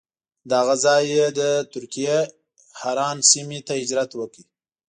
له هغه ځایه یې د ترکیې حران سیمې ته هجرت وکړ.